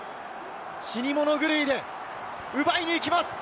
死に物狂いで奪いに行きます。